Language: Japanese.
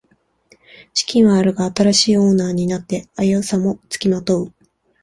資金はあるが新しいオーナーになって危うさもつきまとう